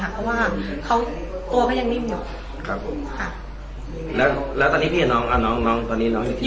เพราะว่าเขาตัวเขายังมิ่มอยู่ครับผมค่ะแล้วตอนนี้พี่กับน้องค่ะน้องตอนนี้น้องอยู่ที่ไหน